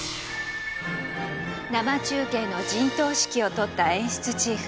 生中継の陣頭指揮を執った演出チーフ